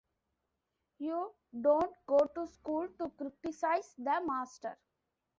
You don’t go to school to criticize the master.